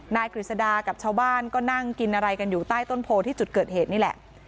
กฤษดากับชาวบ้านก็นั่งกินอะไรกันอยู่ใต้ต้นโพที่จุดเกิดเหตุนี่แหละ